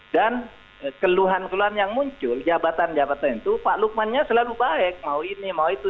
dan keluhan keluhan yang muncul jabatan jabatan itu pak lukmannya selalu baik mau ini mau itu